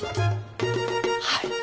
はい！